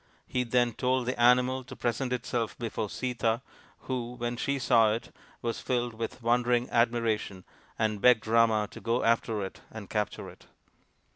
He then told the animal to present itself before Sita, who, when she saw it, was filled with wondering admiration and begged Rama to go after it and capture it.